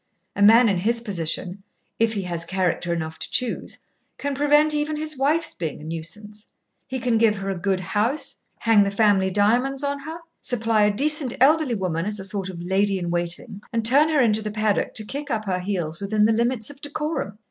A man in his position, if he has character enough to choose, can prevent even his wife's being a nuisance. He can give her a good house, hang the family diamonds on her, supply a decent elderly woman as a sort of lady in waiting and turn her into the paddock to kick up her heels within the limits of decorum.